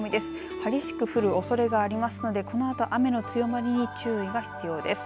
激しく降るおそれがありますのでこのあと雨の強まりに注意が必要です。